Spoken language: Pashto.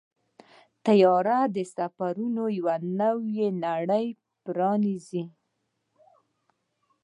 طیاره د سفرونو یو نوې نړۍ پرانیزي.